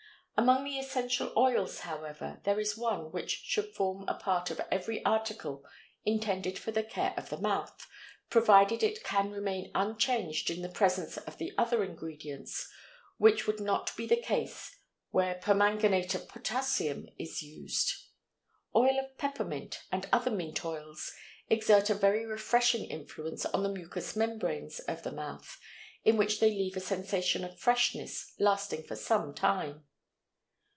Among the essential oils, however, there is one which should form a part of every article intended for the care of the mouth, provided it can remain unchanged in the presence of the other ingredients, which would not be the case where permanganate of potassium is used. Oil of peppermint and other mint oils exert a very refreshing influence on the mucous membranes of the mouth, in which they leave a sensation of freshness lasting for some time.